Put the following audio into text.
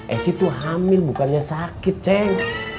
esy tuh hamil bukannya sakit ceng